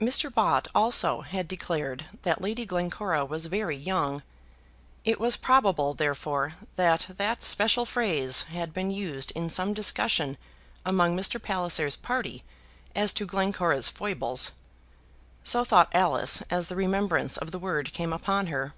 Mr. Bott also had declared that Lady Glencora was very young. It was probable, therefore, that that special phrase had been used in some discussion among Mr. Palliser's party as to Glencora's foibles. So thought Alice as the remembrance of the word came upon her.